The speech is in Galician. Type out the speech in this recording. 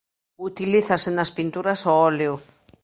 Utilízase nas pinturas ao óleo.